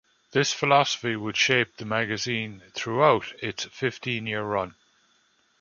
This philosophy would shape the magazine throughout its fifteen-year run.